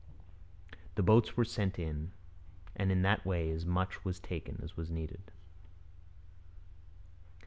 The boats were sent in, and in that way as much was taken as was needed.'